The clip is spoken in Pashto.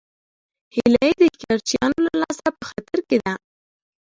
هیلۍ د ښکارچیانو له لاسه په خطر کې ده